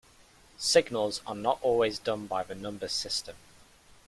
Signals are not always done by the number system.